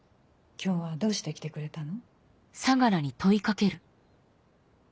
今日はどうして来てくれたの？